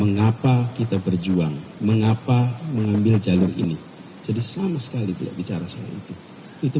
mengapa kita berjuang mengapa mengambil jalur ini jadi sama sekali tidak bicara soal itu itu